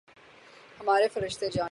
ہمارے فرشتے جانیں۔